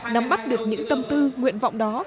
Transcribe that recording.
nắm bắt được những tâm tư nguyện vọng đó